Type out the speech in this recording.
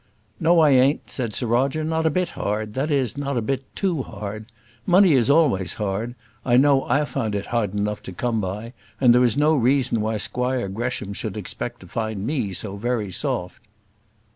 "No I ain't," said Sir Roger; "not a bit hard; that is, not a bit too hard. Money is always hard. I know I found it hard to come by; and there is no reason why Squire Gresham should expect to find me so very soft."